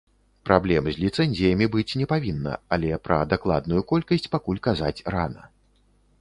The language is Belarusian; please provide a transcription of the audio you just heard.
Праблем з ліцэнзіямі быць не павінна, але пра дакладную колькасць пакуль казаць рана.